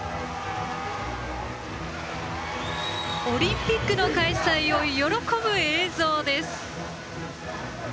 オリンピックの開催を喜ぶ映像です。